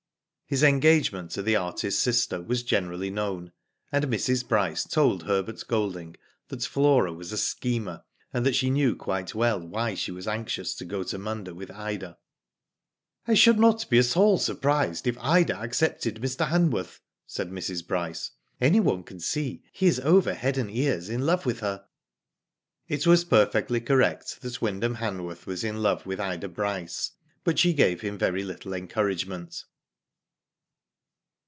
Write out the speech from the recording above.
His engagement to the artist's sister was generally known, and Mrs. Bryce told Herbert Golding that Flora was a schemer, and that she knew quite well why she was so anxious to go to Munda with Ida. I should not be at all surprised if Ida accepted Mr. Hanworth," said Mrs. Bryce. " Anyone can see he is over head and ears in love with her." It was perfectly correct that Wyndham Han worth was in love with Ida Bryce, but she gave him very little encouragement.